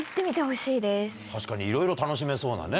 確かにいろいろ楽しめそうなね。